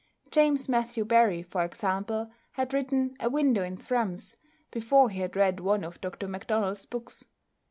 James Matthew Barrie, for example, had written "A Window in Thrums," before he had read one of Dr MacDonald's books.